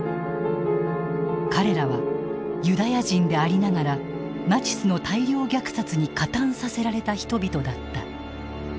彼らはユダヤ人でありながらナチスの大量虐殺に加担させられた人々だった。